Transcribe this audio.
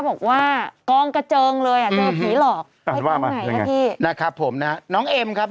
ว่าไงครับที่นะครับผมนะครับน้องเอมครับ